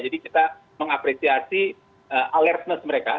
jadi kita mengapresiasi alertness mereka